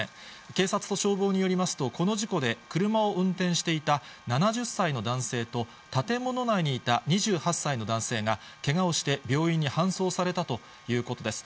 警察と消防によりますと、この事故で車を運転していた７０歳の男性と建物内にいた２８歳の男性がけがをして病院に搬送されたということです。